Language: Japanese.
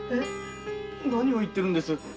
何を言ってるんです？